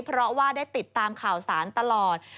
เพราะว่าได้ติดตามข่าวสารตลอด